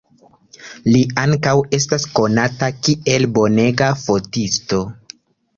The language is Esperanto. Li ankaŭ estas konata kiel bonega fotisto.